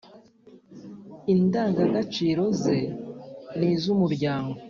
indagagaciro ze n iz umuryango